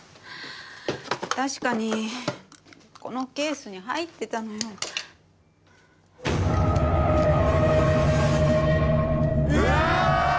確かにこのケースに入ってたのようわ！